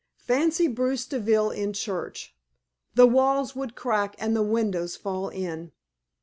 Fancy Bruce Deville in church! The walls would crack and the windows fall in!"